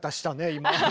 今。